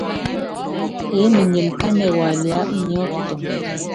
Eé menyen kánɛ waliá unyi ɛ ɔ́kitɔŋa?